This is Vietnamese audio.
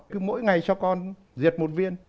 cứ mỗi ngày cho con diệt một viên